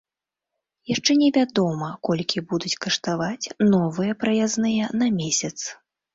Яшчэ не вядома, колькі будуць каштаваць новыя праязныя на месяц.